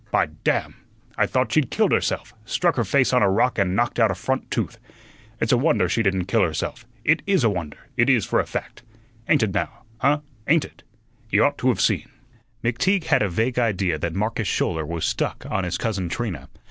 By damn! I thought she'd killed herself; struck her face on a rock and knocked out a front tooth. It's a wonder she didn't kill herself. It IS a wonder; it is, for a fact. Ain't it, now? Huh? Ain't it? Y'ought t'have seen." McTeague had a vague idea that Marcus Schouler was stuck on his cousin Trina.